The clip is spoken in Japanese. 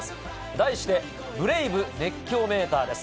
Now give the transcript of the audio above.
題して、ＢＲＡＶＥ熱狂メーターです。